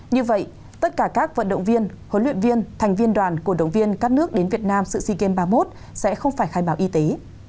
như vậy tất cả các vận động viên huấn luyện viên thành viên đoàn cổ động viên các nước đến việt nam sự sea games ba mươi một sẽ không phải khai báo y tế